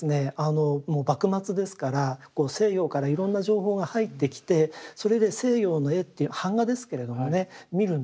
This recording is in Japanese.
幕末ですから西洋からいろんな情報が入ってきてそれで西洋の絵っていう版画ですけれどもね見るんですね。